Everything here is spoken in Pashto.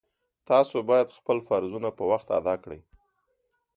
تاسو باید خپل فرضونه په وخت ادا کړئ